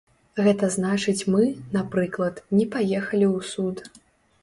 Гэта значыць мы, напрыклад, не паехалі ў суд.